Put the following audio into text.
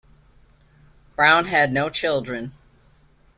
Brown had no children.